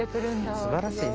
すばらしいね。